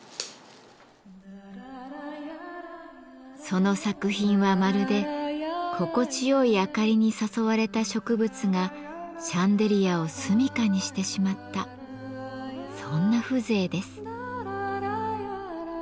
その作品はまるで心地よい明かりに誘われた植物がシャンデリアを住みかにしてしまったそんな風情です。